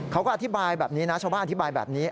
เขาก็อธิบายแบบนี้นะชาวบ้านอธิบายแบบนี้